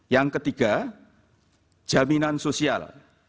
yang ketiga jaminan sosial